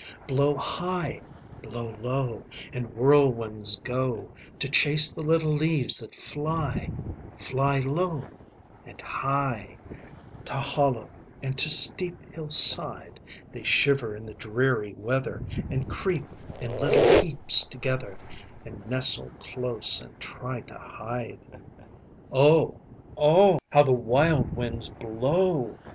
Blow high, Blow low, And whirlwinds go, To chase the little leaves that fly Fly low and high, To hollow and to steep hill side; They shiver in the dreary weather, And creep in little heaps together, And nestle close and try to hide. Oh, oh, how the wild winds blow!